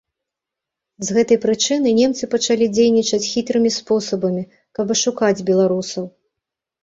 З гэтай прычыны немцы пачалі дзейнічаць хітрымі спосабамі, каб ашукаць беларусаў.